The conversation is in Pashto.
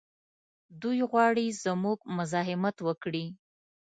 دوی غواړي زموږ مزاحمت وکړي.